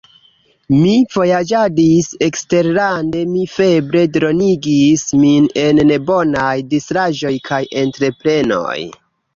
Mi vojaĝadis eksterlande; mi febre dronigis min en nebonaj distraĵoj kaj entreprenoj.